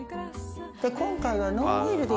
今回は。